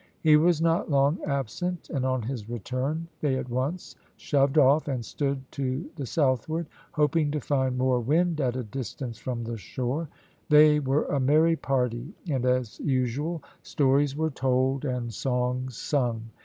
He was not long absent, and on his return they at once shoved off and stood to the southward, hoping to find more wind at a distance from the shore. They were a merry party, and as usual stories were told and songs sung.